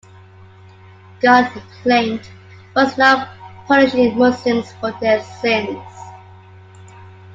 God, he claimed, was now punishing Muslims for their sins.